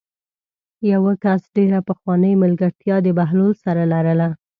یوه کس ډېره پخوانۍ ملګرتیا د بهلول سره لرله.